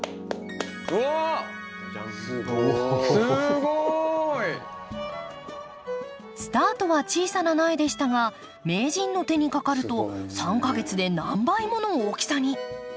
すごい！スタートは小さな苗でしたが名人の手にかかると３か月で何倍もの大きさに。